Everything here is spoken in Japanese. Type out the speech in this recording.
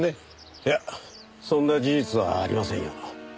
いやそんな事実はありませんよ。